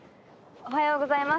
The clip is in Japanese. おはようございます。